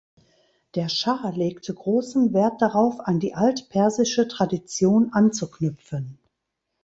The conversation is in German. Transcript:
Der Schah legte großen Wert darauf, an die altpersische Tradition anzuknüpfen.